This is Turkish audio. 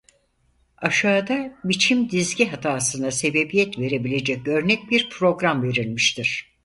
Aşağıda biçim dizgi hatasına sebebiyet verebilecek örnek bir program verilmiştir.